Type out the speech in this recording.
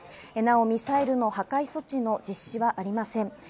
ミサイルの破壊措置の実施はありません。